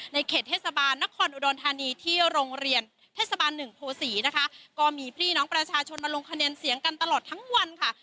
เขตเทศบาลนครอุดรธานีที่โรงเรียนเทศบาลหนึ่งโพศีนะคะก็มีพี่น้องประชาชนมาลงคะแนนเสียงกันตลอดทั้งวันค่ะ